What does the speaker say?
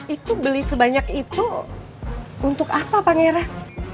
itu beli sebanyak itu untuk apa pangeran